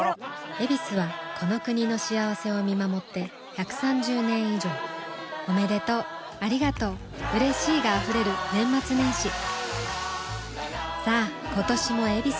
「ヱビス」はこの国の幸せを見守って１３０年以上おめでとうありがとううれしいが溢れる年末年始さあ今年も「ヱビス」で